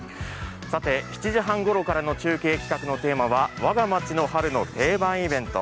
さて７時半ごろからの中継企画のテーマは「わが町の春の定番イベント」。